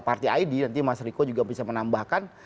partai id nanti mas riko juga bisa menambahkan